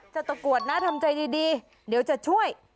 ตะกรวดนะทำใจดีเดี๋ยวจะช่วย